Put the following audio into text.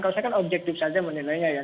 kalau saya kan objektif saja menilainya ya